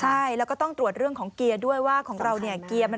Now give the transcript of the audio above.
ใช่แล้วก็ต้องตรวจเรื่องของเกียร์ด้วยว่าของเราเนี่ยเกียร์